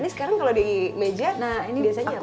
sekarang kalau di meja biasanya apa